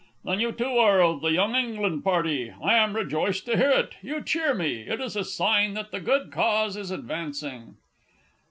Then you too are of the Young England Party! I am rejoiced to hear it. You cheer me; it is a sign that the good Cause is advancing.